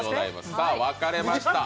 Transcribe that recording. さあ、分かれました。